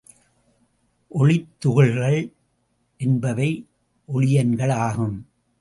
ஒளித்துகள்கள் என்பவை ஒளியன்கள் ஆகும்.